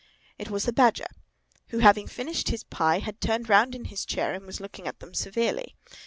It was the Badger, who, having finished his pie, had turned round in his chair and was looking at them severely.